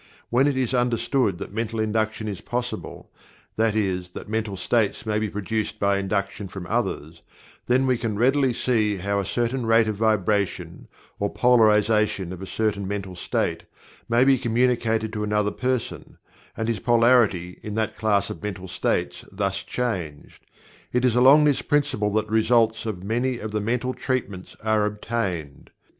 When it is understood that Mental Induction is possible, that is that mental states may be produced by "induction" from others, then we can readily see how a certain rate of vibration, or polarization of a certain mental state, may be communicated to another person, and his polarity in that class of mental states thus changed. It is along this principle that the results of many of the "mental treatments" are obtained.